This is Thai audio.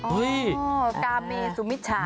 เฮ้ยกาเมสุมิชา